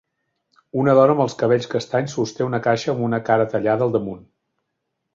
Una dona amb els cabells castanys sosté una caixa amb una cara tallada al damunt.